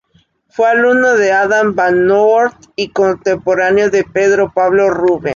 Fue alumno de Adam van Noort y contemporáneo de Pedro Pablo Rubens.